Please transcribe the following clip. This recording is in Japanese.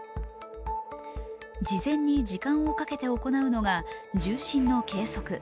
事前に時間をかけて行うのが重心の計測。